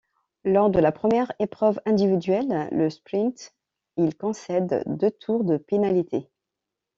Lors de la première épreuve individuelle, le sprint, il concède deux tours de pénalités.